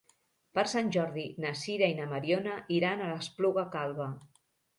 Per Sant Jordi na Sira i na Mariona iran a l'Espluga Calba.